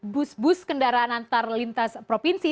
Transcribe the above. bus bus kendaraan antar lintas provinsi